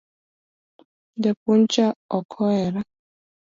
Japuonj cha ok ohera